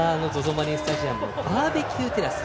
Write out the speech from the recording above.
マリンスタジアムバーベキューテラス。